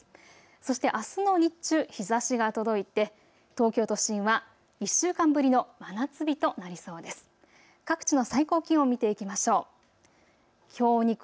そしてあすの日中、日ざしが届いて東京都心は１週間ぶりの真夏日となりそうです。